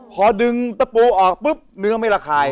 พอดึงตะปูออกปุ๊บเนื้อไม่ระคาย